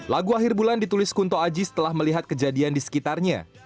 lagu akhir bulan ditulis kunto aji setelah melihat kejadian di sekitarnya